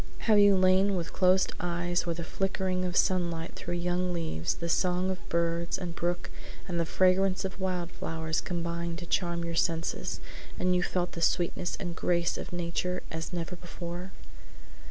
Have you lain with half closed eyes where the flickering of sunlight through young leaves, the song of birds and brook and the fragrance of wild flowers combined to charm your senses, and you felt the sweetness and grace of nature as never before?